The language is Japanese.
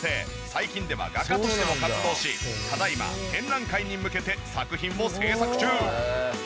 最近では画家としても活動しただ今展覧会に向けて作品を制作中。